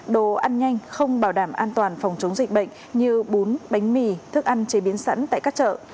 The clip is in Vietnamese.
đồ ăn nhanh không bảo đảm an toàn phòng chống dịch bệnh như bún bánh mì thức ăn chế biến sẵn tại các chợ